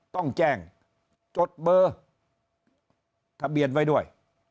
ต้องแจ้งจดเบอร์ทะเบียนไว้ด้วย